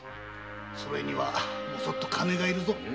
それにはもそっと金が要るぞ。